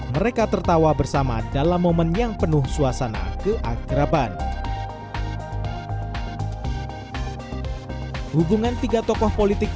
mereka tertawa bersama dalam momen yang penuh suasana keakraban hubungan tiga tokoh politik